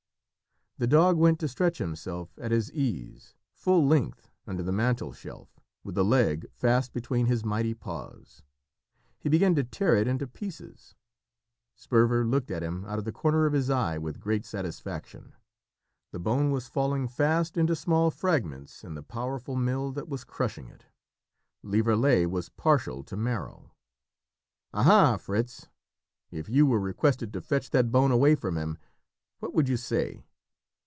The dog went to stretch himself at his ease full length under the mantelshelf with the leg fast between his mighty paws. He began to tear it into pieces. Sperver looked at him out of the corner of his eye with great satisfaction. The bone was fast falling into small fragments in the powerful mill that was crashing it. Lieverlé was partial to marrow! "Aha! Fritz, if you were requested to fetch that bone away from him, what would you say?"